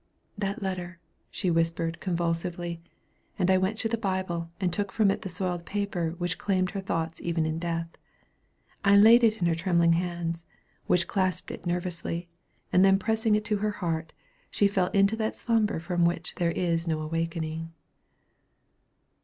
"That letter," whispered she convulsively; and I went to the Bible, and took from it the soiled paper which claimed her thoughts even in death. I laid it in her trembling hands, which clasped it nervously, and then pressing it to her heart, she fell into that slumber from which there is no awakening.